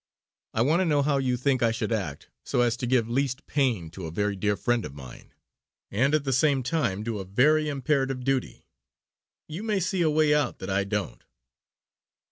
I want to know how you think I should act so as to give least pain to a very dear friend of mine, and at the same time do a very imperative duty. You may see a way out that I don't."